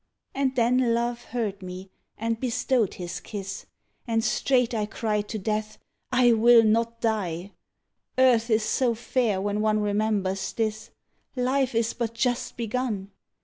And then Love heard me and bestowed his kiss, And straight I cried to Death: I will not die! Earth is so fair when one remembers this; Life is but just begun!